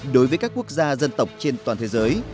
đối với các quốc gia dân tộc trên toàn thế giới